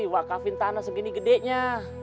wakafin tanah segini gedenya